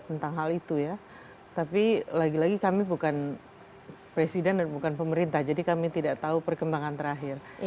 tentang hal itu ya tapi lagi lagi kami bukan presiden dan bukan pemerintah jadi kami tidak tahu perkembangan terakhir